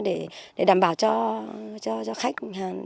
để đảm bảo cho khách